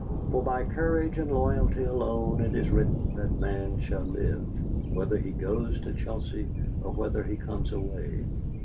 For by courage and loyalty alone it is written that man shall live, whether he goes to Chelsea or whether he comes away.